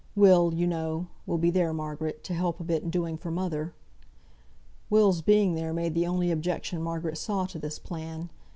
Will, you know, will be there, Margaret, to help a bit in doing for mother." Will's being there made the only objection Margaret saw to this plan.